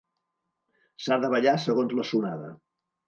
S'ha de ballar segons la sonada.